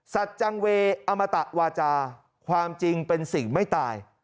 จังเวอมตะวาจาความจริงเป็นสิ่งไม่ตาย